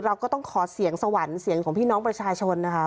เราก็ต้องขอเสียงสวรรค์เสียงของพี่น้องประชาชนนะคะ